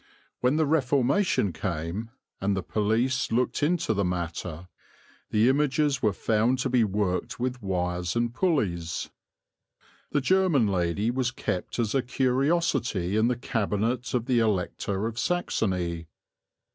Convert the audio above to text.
When the Reformation came, and the police looked into the matter, the images were found to be worked with wires and pulleys. The German lady was kept as a curiosity in the cabinet of the Elector of Saxony.